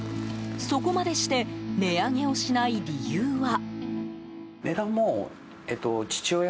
そこまでして値上げをしない理由は。